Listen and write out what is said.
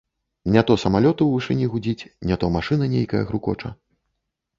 Не то самалёт у вышыні гудзіць, не то машына нейкая грукоча.